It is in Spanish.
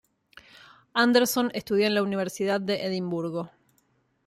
Anderson estudió en la Universidad de Edimburgo.